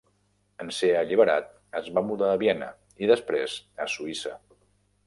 En ser alliberat es va mudar a Viena, i després a Suïssa.